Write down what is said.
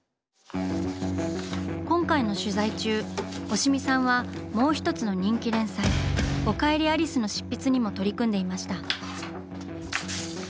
今回の取材中押見さんはもう一つの人気連載「おかえりアリス」の執筆にも取り組んでいました。